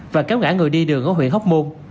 và kéo ngã người đi đường ở huyện hóc môn